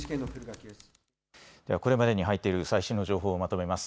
これまでに入っている最新の情報をまとめます。